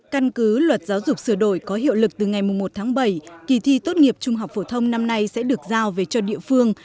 căn cứ luật giáo dục sửa đổi có hiệu lực từ ngày một tháng bảy kỳ thi tốt nghiệp trung học phổ thông năm nay sẽ được giao về cho địa phương